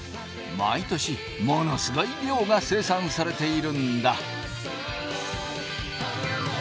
毎年ものすごい量が生産されているんだ。